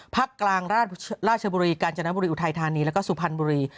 ภาคกลางราชบุรีกาญจนบุรีอุทัยธานีแล้วก็สุพรรณบุรี